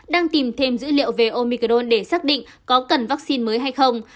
đang tìm thêm dữ liệu về omicron để xác định có cần vaccine mới hay không